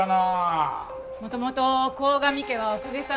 元々鴻上家はお公家さんで。